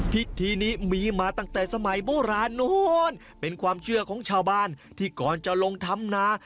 พิธีนี้มีมาตั้งแต่สมัยโบราณนู้นเป็นความเชื่อของชาวบ้านที่ก่อนจะลงทำนา